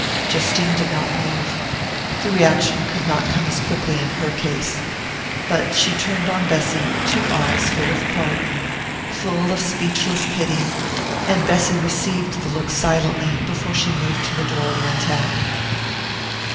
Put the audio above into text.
Justine did not move: the reaction could not come as quickly in her case. But she turned on Bessy two eyes full of pardon, full of speechless pity...and Bessy received the look silently before she moved to the door and went out.